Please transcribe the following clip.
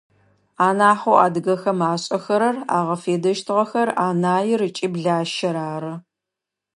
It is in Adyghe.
Анахьэу адыгэхэм ашӏэхэрэр, агъэфедэщтыгъэхэр анаир ыкӏи блащэр ары.